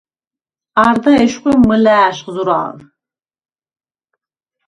არდა ეშხუ მჷლა̄შხ ზურა̄ლ.